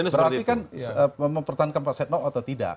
berarti kan mempertahankan pak setno atau tidak